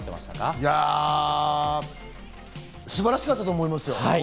いや、素晴らしかったと思います。